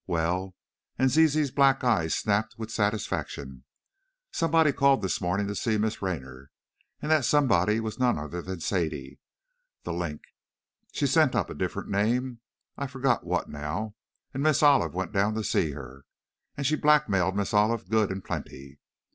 Well," and Zizi's black eyes snapped with satisfaction, "somebody called this morning to see Miss Raynor. And that somebody was none other than Sadie, 'The Link!' She sent up a different name, I forget what, now, and Miss Olive went down to see her. And she blackmailed Miss Olive good and plenty!